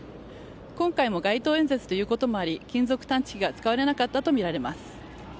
今回も街頭演説ということもあり金属探知機が使われなかったとみられます。